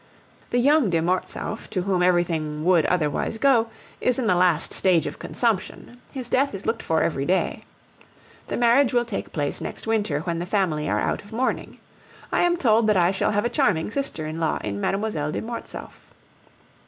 The young de Mortsauf, to whom everything would otherwise go, is in the last stage of consumption; his death is looked for every day. The marriage will take place next winter when the family are out of mourning. I am told that I shall have a charming sister in law in Mlle. de Mortsauf.